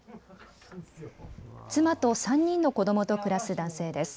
妻と３人の子どもと暮らす男性です。